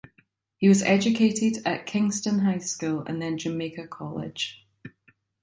He was educated at Kingston High School and then Jamaica College.